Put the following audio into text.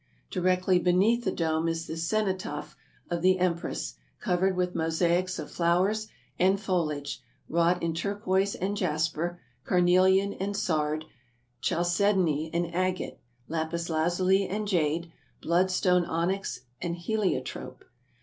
Directly beneath the dome is the cenotaph of the Em press, covered with mosaics of flowers and foliage, wrought in turquoise and jasper, carnelian and sard, chalcedony and agate, lapis lazuli and jade, blood stone onyx and helio trope.